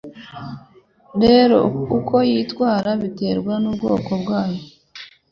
Rero uko yitwara biterwa n'ubwoko bwayo